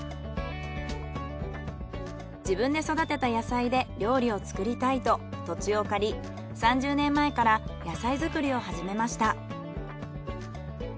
自分で育てた野菜で料理を作りたいと土地を借り３０年前から野菜作りを始めました。